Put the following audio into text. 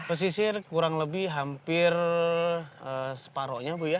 pesisir kurang lebih hampir separohnya bu ya